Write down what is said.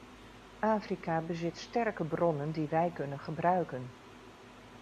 Afrika bezit sterke bronnen die wij kunnen gebruiken.